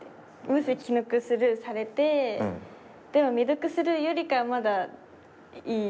もし既読スルーされてでも未読スルーよりかはまだいい？